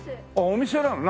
お店なの。